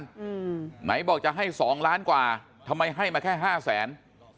อืมไหนบอกจะให้สองล้านกว่าทำไมให้มาแค่ห้าแสน